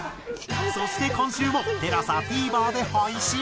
そして今週もＴＥＬＡＳＡＴＶｅｒで配信。